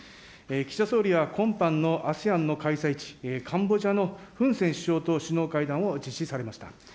岸田総理は今般のＡＳＥＡＮの開催地、カンボジアのフン・セン首相と首脳会談を実施されました。